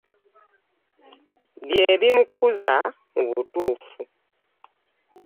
Bye bimukuza mu butuufu.